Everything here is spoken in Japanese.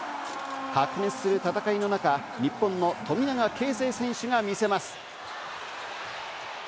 白熱する戦いの中、日本の富永啓生選手が見せます。